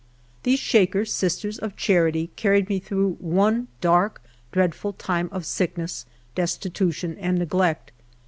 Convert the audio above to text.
These Sliaker Sisters of Charity carried me through one dark, dreadful time of sickness, destitution, and neglect.